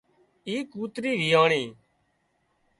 اي ڪوترِي ويئاڻِي